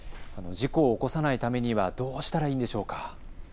事故を起こさないためにはどうしたらいいんでしょうか。